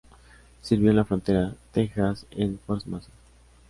Sirvió en la frontera Texas en Fort Mason.